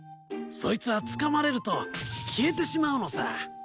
そいつはつかまれると消えてしまうのさ。